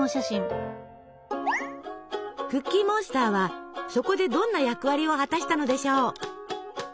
クッキーモンスターはそこでどんな役割を果たしたのでしょう？